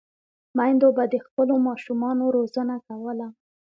میندو به د خپلو ماشومانو روزنه کوله.